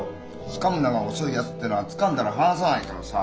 つかむのが遅いやつってのはつかんだら離さないからさ。